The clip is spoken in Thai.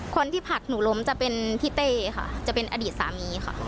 ผลักหนูล้มจะเป็นพี่เต้ค่ะจะเป็นอดีตสามีค่ะ